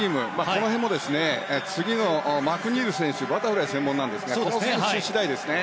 この辺も、次のマクニール選手バタフライ専門ですがこの選手次第ですね。